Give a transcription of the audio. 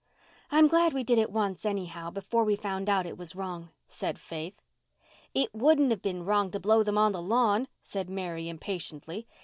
"I'm glad we did it once, anyhow, before we found out it was wrong," said Faith. "It wouldn't have been wrong to blow them on the lawn," said Mary impatiently.